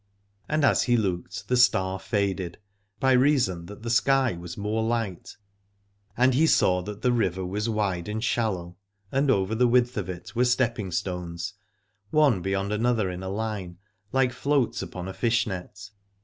And as he looked the star faded, by reason that the sky was more light, and he saw that the river was wide and shallow, and over the width of it were stepping stones, one beyond another in a line, like floats upon a fish net.